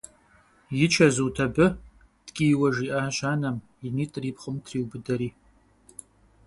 И чэзут абы?! – ткӀийуэ жиӀащ анэм, и нитӀыр и пхъум триубыдэри.